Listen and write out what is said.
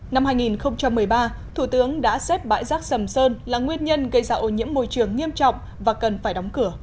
năm hai nghìn một mươi ba thủ tướng đã xếp bãi rác sầm sơn là nguyên nhân gây ra ô nhiễm môi trường nghiêm trọng và cần phải đóng cửa